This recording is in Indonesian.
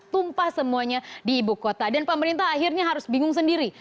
tumpah semuanya di ibu kota dan pemerintah akhirnya harus bingung sendiri